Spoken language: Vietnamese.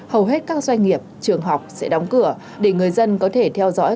hầu hết các doanh nghiệp trường học sẽ đóng cửa để người dân có thể theo dõi